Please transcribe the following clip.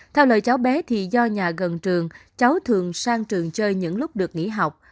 theo lời cháu bé thì do nhà gần trường cháu thường sang trường chơi những lúc được nghỉ học